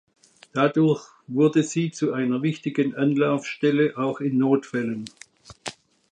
Dadurch wurde sie zu einer wichtigen Anlaufstelle auch in Notfällen.